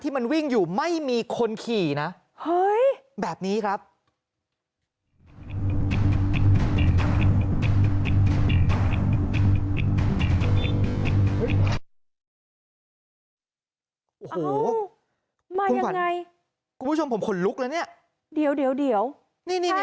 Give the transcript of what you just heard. มายังไงคุณผู้ชมผมขนลุกแล้วเนี้ยเดี๋ยวเดี๋ยวเดี๋ยวนี่นี่นี่